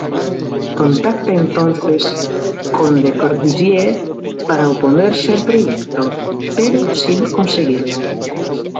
Contacta entonces con Le Corbusier para oponerse al proyecto, pero sin conseguirlo.